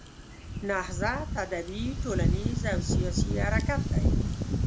نهضت ادبي، ټولنیز او سیاسي حرکت دی.